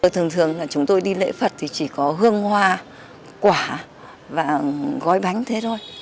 thường thường là chúng tôi đi lễ phật thì chỉ có hương hoa quả và gói bánh thế thôi